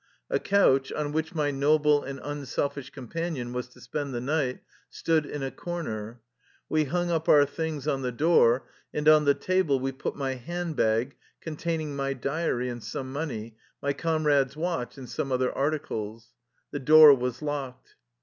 A couch, on which my noble and unself ish companion was to spend the night, stood in a corner. We hung up our things on the door, and on the table we put my hand bag containing my diary and some money, my comrade's watch and some other articles. The door was locked.